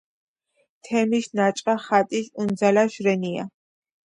თემიში ნაჭყა ხატიში უნძალაში რენია